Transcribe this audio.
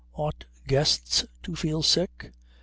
Ought guests to feel sick?